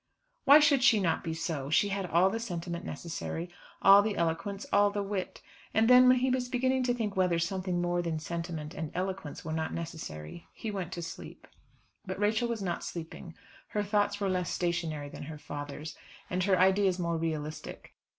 Why should she not be so? She had all the sentiment necessary, all the poetry, all the eloquence, all the wit. And then when he was beginning to think whether something more than sentiment and eloquence were not necessary, he went to sleep. But Rachel was not sleeping. Her thoughts were less stationary than her father's, and her ideas more realistic.